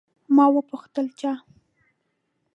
ما وپوښتل، چا؟